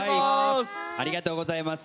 ありがとうございます。